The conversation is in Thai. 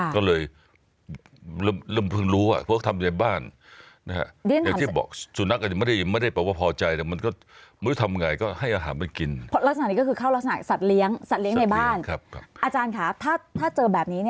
ก็เลยเริ่มเพิ่งรู้